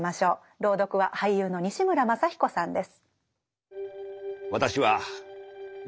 朗読は俳優の西村まさ彦さんです。